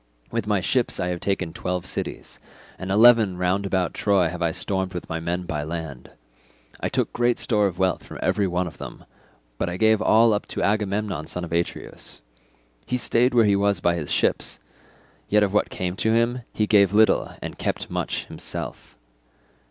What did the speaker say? With my ships I have taken twelve cities, and eleven round about Troy have I stormed with my men by land; I took great store of wealth from every one of them, but I gave all up to Agamemnon son of Atreus. He stayed where he was by his ships, yet of what came to him he gave little, and kept much himself.